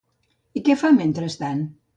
I què fa mentrestant?